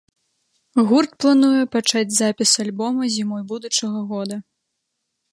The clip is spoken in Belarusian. Гурт плануе пачаць запіс альбома зімой будучага года.